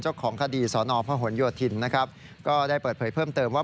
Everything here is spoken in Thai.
เจ้าของคดีสนพหนโยธินนะครับก็ได้เปิดเผยเพิ่มเติมว่า